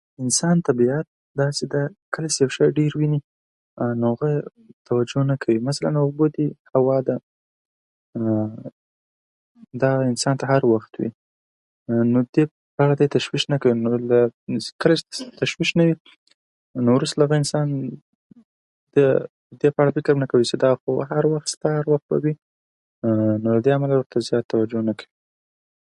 انسان طبیعت داسې ده، کله چې یو شی ډېر وویني، نو هغه توجه نه کوي. مثلاً اوبه دي، هوا ده، دغه انسان ته هر وخت وي، نو [unintelligible] تشویش نه کوي. نو کله چې تشویش نه وي، دې نه وروسته انسان بیا دې په اړه فکر نه کوي چې دا خو هر وخت شته، هر وخت به وي. نو له دې امله ورته زیاته توجه نه کوي.